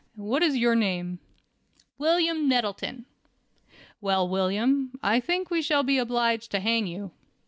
"What is your name?" "William Nettleton." "Well, William, I think we shall be obliged to hang you."